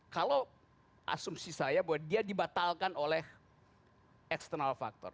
kalau asumsi saya bahwa dia dibatalkan oleh faktor eksternal